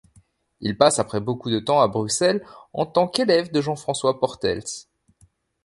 Il passe après beaucoup de temps à Bruxelles en tant qu'élève de Jean-François Portaels.